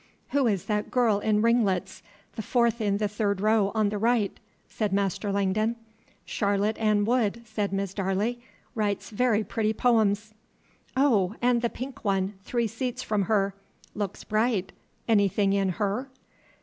"Who is that girl in ringlets, the fourth in the third row on the right?" said Master Langdon. "Charlotte Ann Wood," said Miss Darley; "writes very pretty poems." "Oh! And the pink one, three seats from her? Looks bright; anything in her?"